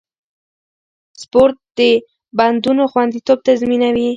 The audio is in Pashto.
سپورت د بندونو خونديتوب تضمینوي.